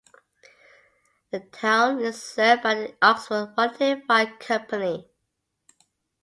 The town is served by the Oxford Volunteer Fire Company.